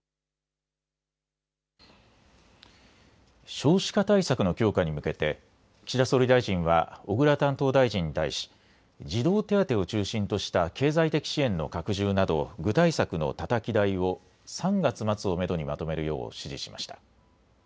少子化対策の強化に向けて岸田総理大臣は小倉担当大臣に対し、児童手当を中心とした経済的支援の拡充など具体策のたたき台を３月末をめどにまとめるよう指示しました。